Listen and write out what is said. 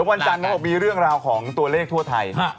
มันจะมีเรื่องราวของตัวเลขทั่วไทย